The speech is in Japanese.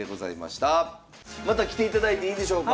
また来ていただいていいでしょうか。